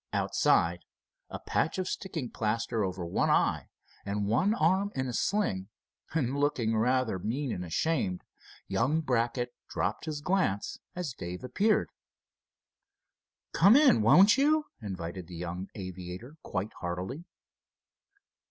Outside, a patch of sticking plaster over one eye and one arm in a sling, and looking rather mean and ashamed, young Brackett dropped his glance as Dave appeared. "Come in, won't you?" invited the young aviator, quite heartily.